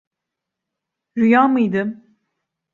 Rüya mıydı?